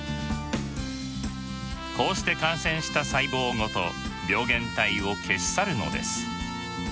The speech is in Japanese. こうして感染した細胞ごと病原体を消し去るのです。